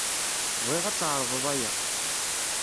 Bɣiɣ ad tɛeṛḍeḍ aya.